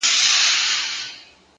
o گراني ټوله شپه مي ـ